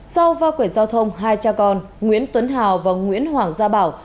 sau va quẹt giao thông hai cha con nguyễn tuấn hào và nguyễn hoàng gia bảo